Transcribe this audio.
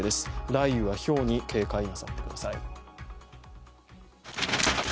雷雨やひょうに警戒なさってください。